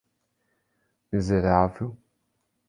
Miserável